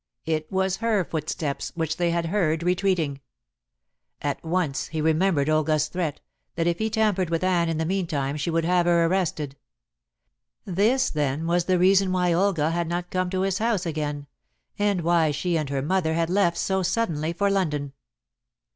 It was her footsteps which they had heard retreating. At once he remembered Olga's threat, that if he tampered with Anne in the meantime she would have her arrested. This, then, was the reason why Olga had not come to his house again, and why she and her mother had left so suddenly for London.